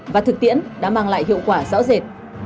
và thực tiễn đã mang lại hiệu quả rõ rệt